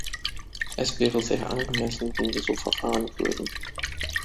Es wäre sehr angemessen, wenn wir so verfahren würden.